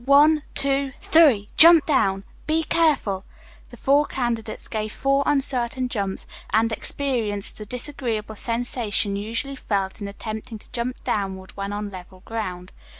"One, two, three! Jump down! Be careful!" The four candidates gave four uncertain jumps and experienced the disagreeable sensation usually felt in attempting to jump downward when on level ground.